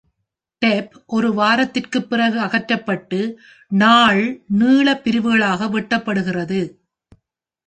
Tape ஒரு வாரத்திற்குப் பிறகு அகற்றப்பட்டு நாள் நீள பிரிவுகளாக வெட்டப்படுகிறது.